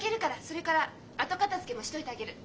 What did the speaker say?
それから後片づけもしといてあげる。